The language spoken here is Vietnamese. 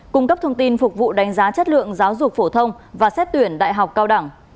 cung cấp thông tin phục vụ đánh giá chất lượng giáo dục phổ thông và xét tuyển đại học cao đẳng